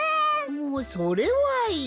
おうそれはいい。